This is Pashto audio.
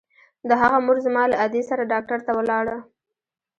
د هغه مور زما له ادې سره ډاکتر ته ولاړه.